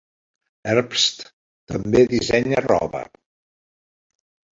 Herbst també dissenya roba.